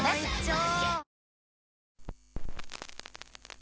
お！